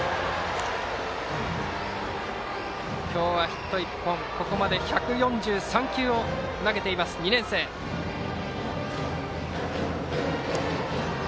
今日はヒット１本ここまで１４３球を投げています、２年生の河野。